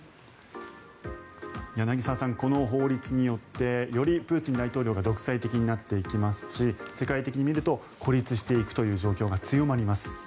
柳澤さん、この法律によってよりプーチン大統領が独裁的になっていきますし世界的に見ると孤立していくという状況が強まります。